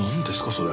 それ。